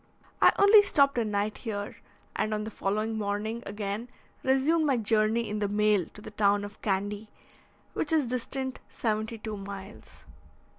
I only stopped a night here, and on the following morning again resumed my journey in the mail to the town of Candy, which is distant seventy two miles.